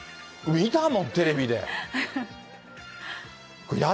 見たもん、テレビで。